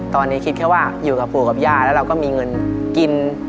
ตอนนี้คิดแค่ว่าอยู่กับปู่กับย่าแล้วเราก็มีเงินกิน